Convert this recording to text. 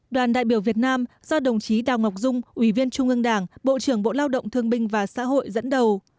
đoàn đại biểu việt nam do đồng chí đào ngọc dung ủy viên trung ương đảng bộ trưởng bộ lao động thương binh và xã hội dẫn đầu